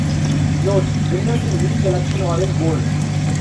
"Note: Winners in each election are in" bold.